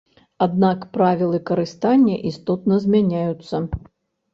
Аднак правілы карыстання істотна змяняюцца.